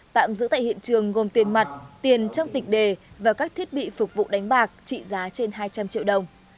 tạm giữ tại hiện trường gồm tiền mặt tiền trong tịch đề và các thiết bị phục vụ đánh bạc trị giá trên hai trăm linh triệu đồng